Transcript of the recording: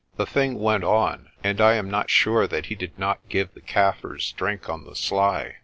The thing went on, and I am not sure that he did not give the Kaffirs drink on the sly.